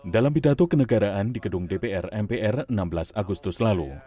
dalam pidato kenegaraan di gedung dpr mpr enam belas agustus lalu